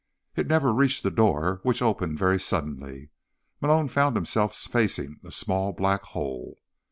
It never reached the door, which opened very suddenly. Malone found himself facing a small black hole.